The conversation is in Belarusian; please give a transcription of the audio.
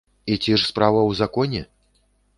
І ці ж справа ў законе?